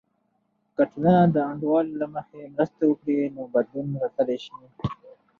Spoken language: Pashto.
که ټولنه د انډول له مخې مرسته وکړي، نو بدلون راتللی سي.